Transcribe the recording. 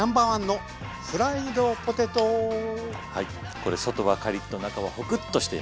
これ外はカリッと中はホクッとしています。